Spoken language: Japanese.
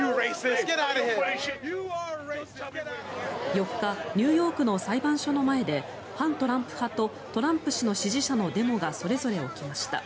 ４日ニューヨークの裁判所の前で反トランプ派とトランプ氏の支持者のデモがそれぞれ起きました。